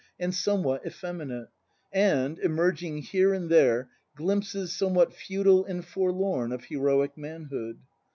INTRODUCTION 9 somewhat effeminate; and, emerging here and there, glimpses somewhat futile and forlorn of heroic manhood.